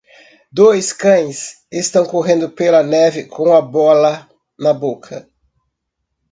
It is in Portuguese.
Dois cães estão correndo pela neve com a bola na boca.